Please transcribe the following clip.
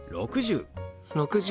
「６０」。